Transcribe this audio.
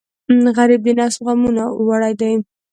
غریب د نفس د غمونو وړ دی